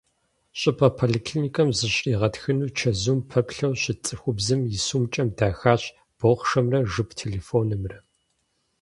ЩӀыпӀэ поликлиникэм зыщригъэтхыну чэзум пэплъэу щыт цӏыхубзым и сумкӀэм дахащ бохъшэмрэ жып телефонымрэ.